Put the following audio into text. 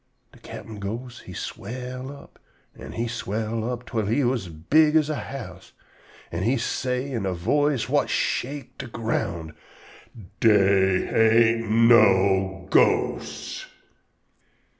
De captain ghost he swell up, an' he swell up, twell he as big as a house, an' he say in a voice whut shake de ground: "Dey ain't no ghosts."